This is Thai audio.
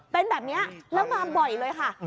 เป็นแบบนี้แล้วมาบ่อยเลยค่ะ